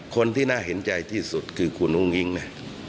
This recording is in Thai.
คนที่น่าเห็นใจที่สุดคือคุณอุ้งอิ๊งนะ